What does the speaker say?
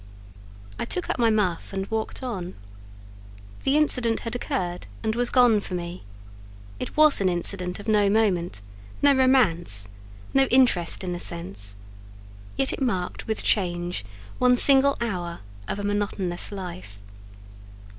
I took up my muff and walked on. The incident had occurred and was gone for me: it was an incident of no moment, no romance, no interest in a sense; yet it marked with change one single hour of a monotonous life.